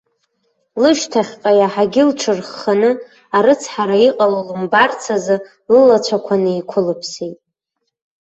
Лышьҭахьҟа иаҳагьы лҽырхханы, арыцҳара иҟало лымбарц азы лылацәақәа неиқәылыԥсеит.